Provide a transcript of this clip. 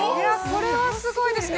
これはすごいですね